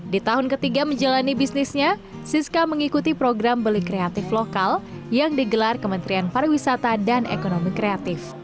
di tahun ketiga menjalani bisnisnya siska mengikuti program beli kreatif lokal yang digelar kementerian pariwisata dan ekonomi kreatif